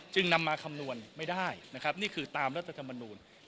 จึงนำมาคำนวณไม่ได้นี่คือตามรัฐธรรมนูน